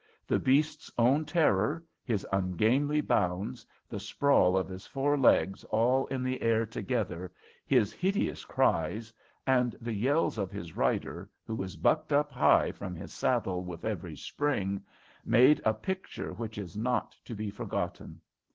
The beast's own terror, his ungainly bounds, the sprawl of his four legs all in the air together, his hideous cries, and the yells of his rider who is bucked high from his saddle with every spring, make a picture which is not to be forgotten.